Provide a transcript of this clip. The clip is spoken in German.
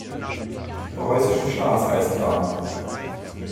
Preußischen Staatseisenbahn.